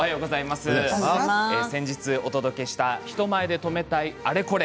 先日お届けした「人前で止めたいアレコレ」